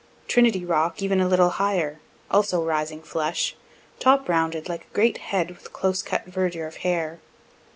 Trinity rock, even a little higher, also rising flush, top rounded like a great head with close cut verdure of hair.